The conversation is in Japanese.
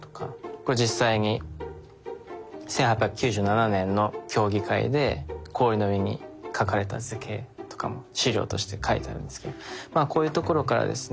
これ実際に１８９７年の競技会で氷の上に描かれた図形とかも資料として書いてあるんですけどこういうところからですね